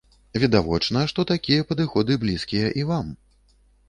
Відавочна, што такія падыходы блізкія і вам.